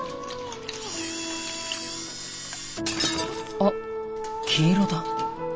あっ黄色だ。